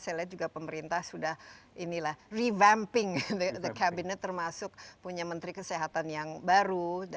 saya lihat juga pemerintah sudah revamping the kabinet termasuk punya menteri kesehatan yang baru